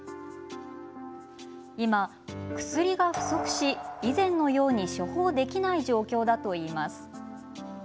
今、薬が不足し以前のように処方できない状況だといいます。